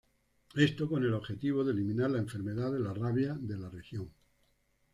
Esto con el objetivo de eliminar la enfermedad de la rabia de la región.